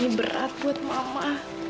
ini berat buat mama